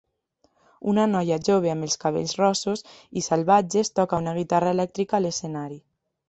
Una noia jove amb els cabells rossos i salvatges toca una guitarra elèctrica a l'escenari